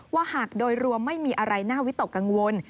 หากโดยรวมไม่มีอะไรน่าวิตกกังวล